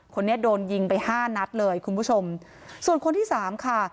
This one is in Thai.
คนนี้โดนยิงไปห้านัดเลยคุณผู้ชมส่วนคนที่สามค่ะ